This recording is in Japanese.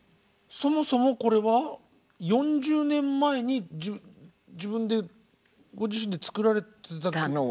そもそもこれは４０年前にご自身で作られてた曲が。